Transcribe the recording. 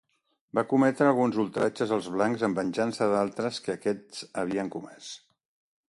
Va cometre alguns ultratges als blancs en venjança d'altres que aquests havien comès.